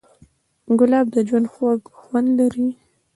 ګلاب د ژوند خوږ خوند لري.